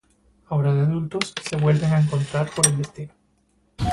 Ahora de adultos se vuelven a encontrar por el destino.